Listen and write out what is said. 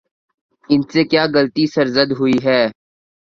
ان سے کیا غلطی سرزد ہوئی ہے؟